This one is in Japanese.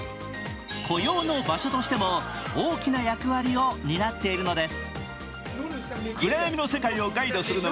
雇用の場所としても大きな役割を担っているのです。